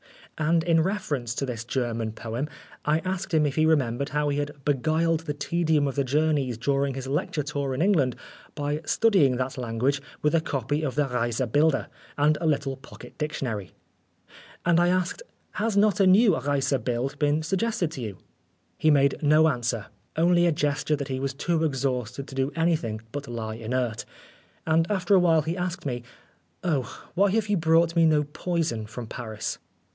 And in reference to this German poem, I asked him if he remembered how he had beguiled the tedium of the journeys during his lecturing tour in England, by studying that language with a copy of the Reise Bilder and a little pocket dictionary. And I added, " Has not a new Reise Bild been suggested to you?" He made no answer, only a gesture that 156 Oscar Wilde he was too exhausted to do anything but lie inert, and after awhile he asked me, "Oh, why have you brought me no poison from Paris?"